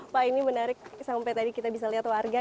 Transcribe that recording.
pak ini menarik sampai tadi kita bisa lihat warga